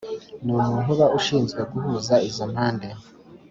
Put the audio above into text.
Ni umuntu uba ushinzwe guhuza izo mpande